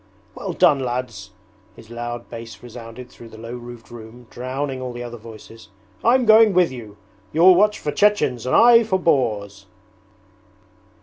'Well, lads,' his loud bass resounded through the low roofed room drowning all the other voices, 'I'm going with you. You'll watch for Chechens and I for boars!'